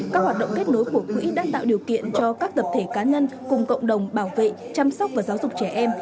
các hoạt động kết nối của quỹ đã tạo điều kiện cho các tập thể cá nhân cùng cộng đồng bảo vệ chăm sóc và giáo dục trẻ em